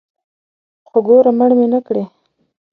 خو ګوره مړ مې نکړې.